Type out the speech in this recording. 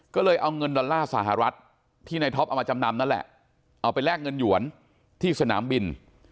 ก็เลยเอาเงินดอลลาร์สหรัฐที่ในท็อปเอามาจำนำนั่นแหละเอาไปแลกเงินหยวนที่สนามบิน